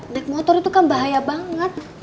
naik motor itu kan bahaya banget